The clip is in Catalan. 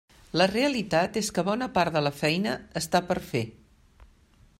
La realitat és que bona part de la feina està per fer.